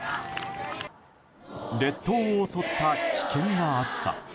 列島を襲った危険な暑さ。